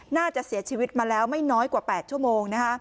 น่าจะเสียชีวิตมาแล้วไม่น้อยกว่า๘ชั่วโมง